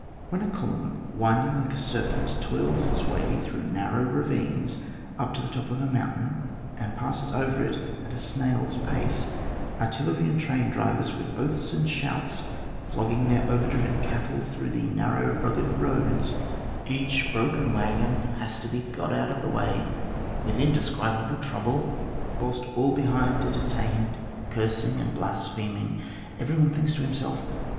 When a column, winding like a ser pent, toils its way through narrow ravines up to the topof amountain, and passes over it at a snail's pace, artillery and train drivers, with oaths and shouts, flogging their over driven cattle through the narrow rugged roads, each broken wag gon has to be got out of the way with indescribable trouble, whilst all behind are detained, cursing and blaspheming, every one then thinks to himself.